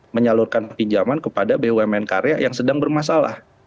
menyalurkan pinjaman kepada bumn karya yang sedang bermasalah